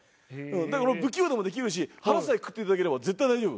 だから不器用でもできるし腹さえくくっていただければ絶対大丈夫。